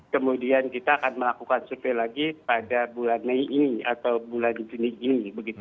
kemudian kita akan melakukan survei lagi pada bulan mei ini atau bulan juni ini